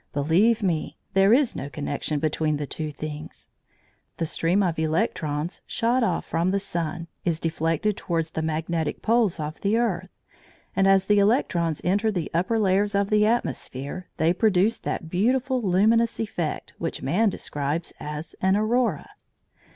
Believe me, there is no connection between the two things. The stream of electrons shot off from the sun is deflected towards the magnetic poles of the earth, and as the electrons enter the upper layers of the atmosphere they produce that beautiful luminous effect which man describes as an Aurora.